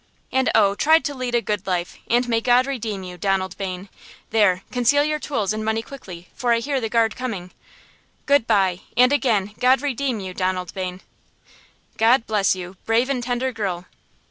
And oh, try to lead a good life, and may God redeem you, Donald Bayne! There–conceal your tools and your money quickly, for I hear the guard coming Good by–and again, God redeem you, Donald Bayne!" "God bless you, brave and tender girl!